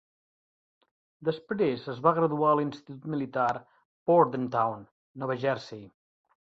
Després es va graduar a l'Institut Militar Bordentown, Nova Jersey.